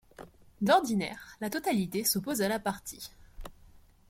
D'ordinaire, la totalité s'oppose à la partie.